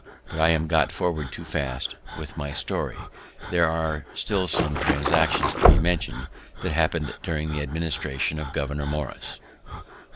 But I am got forward too fast with my story: there are still some transactions to be mention'd that happened during the administration of Governor Morris.